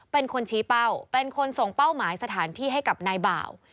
เป็นคนชี้เป้าเป็นคนส่งเป้าหมายสถานที่ให้กับนายบ่าว